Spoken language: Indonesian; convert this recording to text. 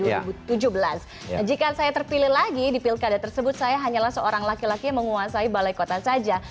nah jika saya terpilih lagi di pilkada tersebut saya hanyalah seorang laki laki yang menguasai balai kota saja